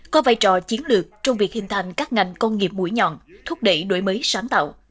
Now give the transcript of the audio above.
có vai trò chiến lược trong việc hình thành các ngành công nghiệp mũi nhọn thúc đẩy đổi mới sáng tạo